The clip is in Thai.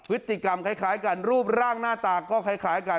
พฤติกรรมคล้ายกันรูปร่างหน้าตาก็คล้ายกัน